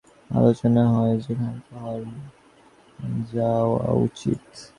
যেখানে ভগবানের কীর্তন ও আলোচনা হয়, সেখানে তাহার যাওয়া উচিত।